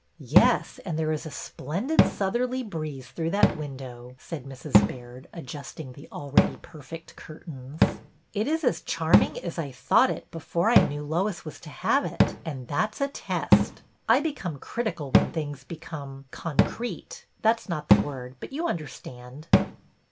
'' Yes, and there is a splendid southerly breeze through that window," said Mrs. Baird, adjust ing the already perfect curtains. '' It is as charming as I thought it before I knew Lois was to have it, and that 's a test. I become critical when things become — concrete — that 's not the word, but you understand."